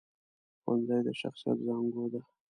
ښوونځی د شخصیت زانګو ده